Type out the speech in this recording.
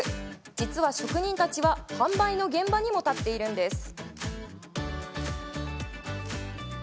実は職人たちは販売の現場にも立っているんです。